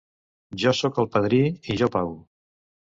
Jo soc el padrí, i jo pago.